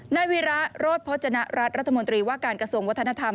นายวิระโรธพจนรัฐรัฐมนตรีว่าการกระทรวงวัฒนธรรม